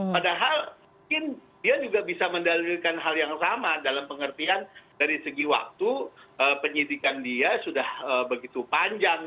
padahal mungkin dia juga bisa mendalilkan hal yang sama dalam pengertian dari segi waktu penyidikan dia sudah begitu panjang